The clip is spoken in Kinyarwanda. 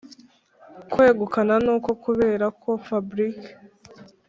kwegukana nuko kubera ko fabric